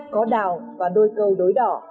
có đào và đôi cầu đối đỏ